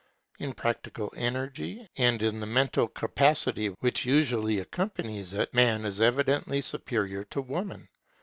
In practical energy and in the mental capacity which usually accompanies it, Man is evidently superior to Woman.